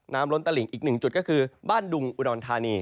น้ำล้นตะหลิงอีกหนึ่งจุดก็คือบ้านดุงอุดนทานี